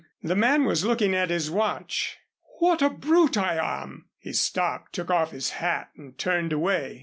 The man was looking at his watch. "What a brute I am!" He stopped, took off his hat and turned away.